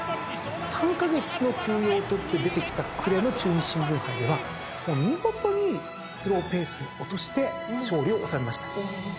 ３カ月の休養を取って出てきた暮れの中日新聞杯では見事にスローペースに落として勝利を収めました。